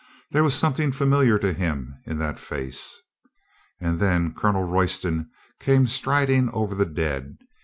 There was something familiar to him in that face. And then Colonel Royston came striding over the dead.